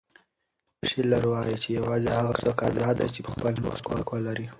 شیلر وایي چې یوازې هغه څوک ازاد دی چې په خپل نفس واک ولري.